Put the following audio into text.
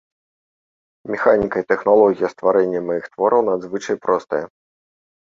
Механіка і тэхналогія стварэння маіх твораў надзвычай простая.